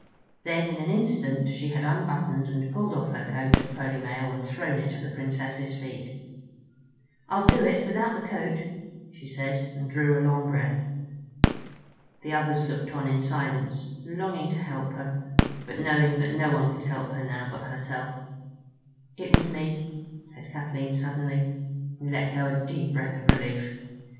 Then in an instant she had unbuttoned and pulled off her coat of pearly mail and thrown it at the Princess's feet. "I'll do it without the coat," she said, and drew a long breath. The others looked on in silence, longing to help her, but knowing that no one could help her now but herself. "It was me," said Kathleen suddenly, and let go a deep breath of relief.